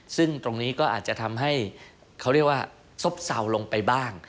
ซึ่งตรงนี้ก็อาจจะทำให้เขาเรียกว่าซบเศร้าลงไปบ้าง